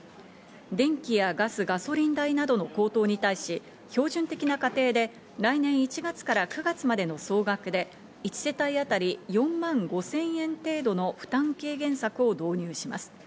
電気やガス、ガソリン代などの高騰に対し、標準的な家庭で来年１月から９月までの総額で１世帯当たり４万５０００円程度の負担軽減策を導入します。